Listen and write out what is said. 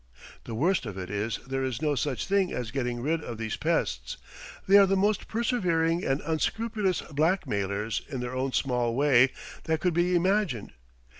The worst of it is there is no such thing as getting rid of these pests; they are the most persevering and unscrupulous blackmailers in their own small way that could be imagined.